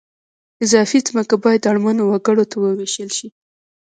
اضافي ځمکه باید اړمنو وګړو ته ووېشل شي